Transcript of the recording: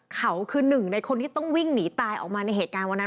เขาคือหนึ่งในคนที่ต้องวิ่งหนีตายออกมาในเหตุการณ์วันนั้น